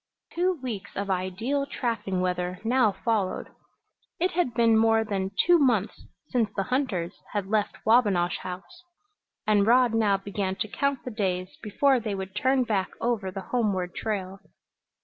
Two weeks of ideal trapping weather now followed. It had been more than two months since the hunters had left Wabinosh House, and Rod now began to count the days before they would turn back over the homeward trail.